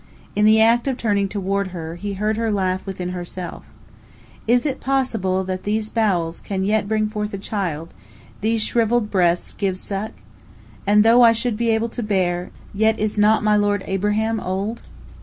In the act of turning toward her, he heard her laugh within herself: "Is it possible that these bowels can yet bring forth a child, these shrivelled breasts give suck? And though I should be able to bear, yet is not my lord Abraham old?"